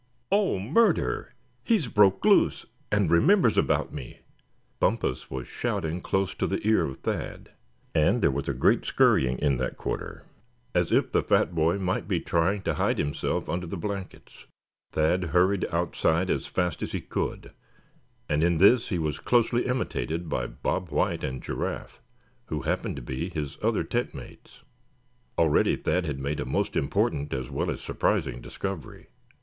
"Oh! murder! he's broke loose, and remembers about me!" Bumpus was shouting close to the ear of Thad; and there was a great scurrying in that quarter, as if the fat boy might be trying to hide himself under the blankets. Thad hurried outside as fast as he could; and in this he was closely imitated by Bob White and Giraffe, who happened to be his other tent mates. Already Thad had made a most important as well as surprising discovery.